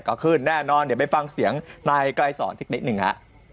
ก็คืนน่าอย่าไปฟังเสียงนายกลายศาลนิดนึงฮะ